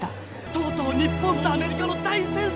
「とうとう日本とアメリカの大戦争が始まったんだ！」。